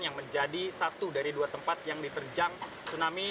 yang menjadi satu dari dua tempat yang diterjang tsunami